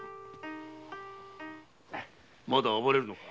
まだ暴れるか？